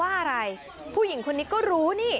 ไอซีมันเยอะแย๊ยะ